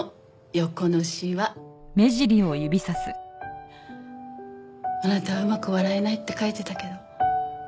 あなたは「上手く笑えない」って書いてたけど。